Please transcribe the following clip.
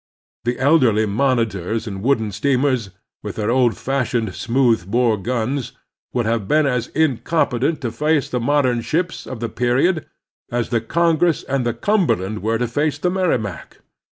The elderly monitors and wooden steamers, with their old fashioned smooth bore guns, would have been as incompetent to face the modem ships of the period as the Congress and the ^Cumberland were to face the Merrimac.